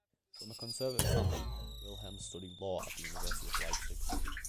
From a conservative family, Wilhelm studied law at the University of Leipzig.